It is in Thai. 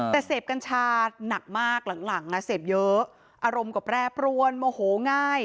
แต่เสพกัญชาหนักมากหลังเสพเยอะอารมณ์กับแปรปรวนโมโหง่าย